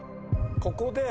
ここで。